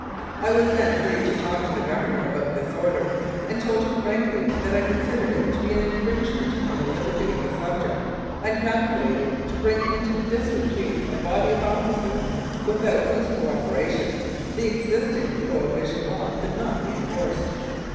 I was then free to talk to the Governor about this order, and told him frankly that I considered it to be an infringement of the liberty of the subject, and calculated to bring into disrepute a body of officers without whose co operation the existing prohibition law could not be enforced.